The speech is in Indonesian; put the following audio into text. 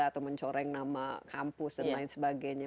atau mencoreng nama kampus dan lain sebagainya